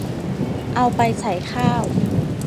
เอาไปใส่ข้าว